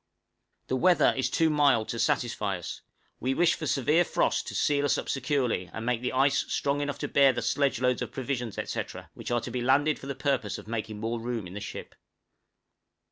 The weather is too mild to satisfy us; we wish for severe frost to seal us up securely, and make the ice strong enough to bear the sledge loads of provisions, etc., which are to be landed for the purpose of making more room in the ship.